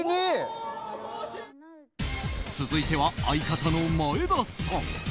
続いては相方の前田さん。